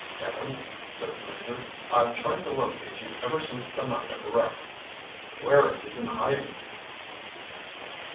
"Evans," said the Major, "I've tried to locate you ever since the night of the wreck. Where have you been hiding?"